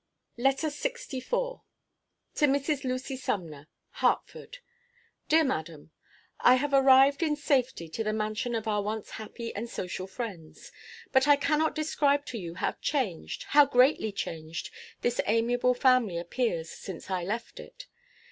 LETTER LXIV. TO MRS. LUCY SUMNER. HARTFORD. Dear madam: I have arrived in safety to the mansion of our once happy and social friends. But I cannot describe to you how changed, how greatly changed this amiable family appears since I left it.